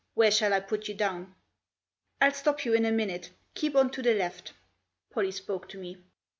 Where shall I put you down ?"" I'll stop you in a minute ; keep on to the left." Pollie spoke to me.